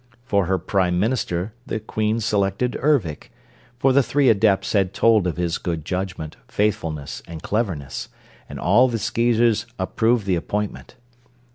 For her Prime Minister the Queen selected Ervic, for the three Adepts had told of his good judgment, faithfulness and cleverness, and all the Skeezers approved the appointment.